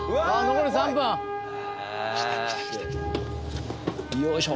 残り３分へぇよいしょ